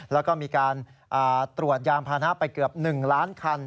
แล้วก็มีการตรวจยานพานะไปเกือบ๑ล้านคัน